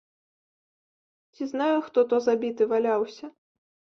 Ці знаю, хто то забіты валяўся?